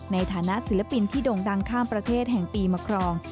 ในฐานะศิลปินที่โด่งดังข้ามประเทศแห่งปีมาครอง